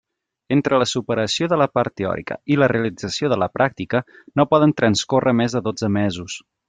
Entre la superació de la part teòrica i la realització de la pràctica, no poden transcórrer més de dotze mesos.